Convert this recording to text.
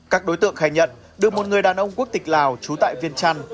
các đối tượng khai nhận được một người đàn ông quốc tịch lào trú tại viên trăn